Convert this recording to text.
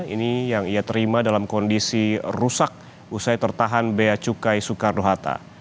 ini yang ia terima dalam kondisi rusak usai tertahan bea cukai soekarno hatta